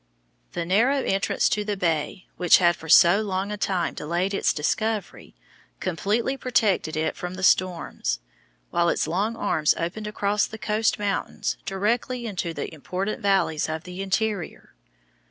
The narrow entrance to the bay, which had for so long a time delayed its discovery, completely protected it from the storms, while its long arms opened across the coast mountains directly into the important valleys of the interior.